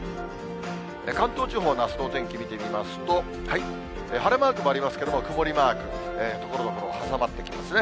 関東地方のあすのお天気見てみますと、晴れマークもありますけれども、曇りマーク、ところどころ、挟まってきますね。